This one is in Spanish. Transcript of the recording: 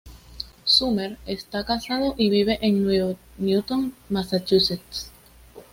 Sumner está casado y vive en Newton, Massachusetts.